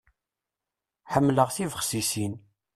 Ḥemmleɣ tibexsisin.